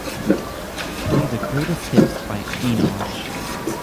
Play the greatest hits by Inoj.